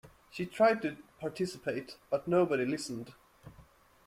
She tried to participate, but nobody listened.